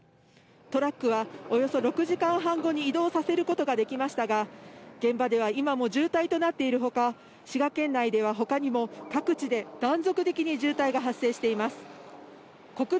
トラックはおよそ６時間半後に移動させることができましたが、現場では今も渋滞となっているほか、滋賀滋賀県内では他にも各地で断続的に渋滞が発生しています。